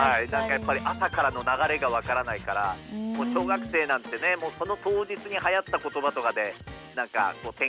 やっぱり朝からの流れが分からないからもう小学生なんてねその当日にはやった言葉とかでなんか展開してたりするので会話を。